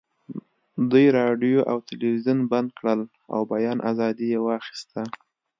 دوی راډیو او تلویزیون بند کړل او بیان ازادي یې واخیسته